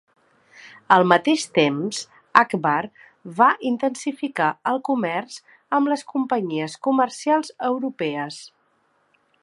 Al mateix temps, Akbar va intensificar el comerç amb les companyies comercials europees.